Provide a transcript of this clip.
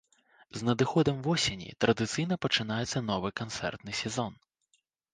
З надыходам восені традыцыйна пачынаецца новы канцэртны сезон.